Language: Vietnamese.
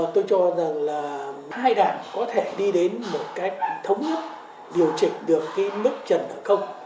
tôi cho rằng là hai đảng có thể đi đến một cách thống nhất điều chỉnh được cái mức trần nợ công